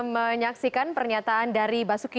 menyaksikan pernyataan dari basuki